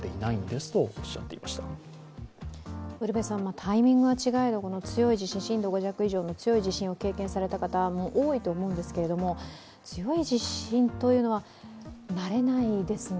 タイミングは違えど震度５弱以上の強い地震を経験された方が多いと思うんですけれども、強い地震というのは慣れないですね。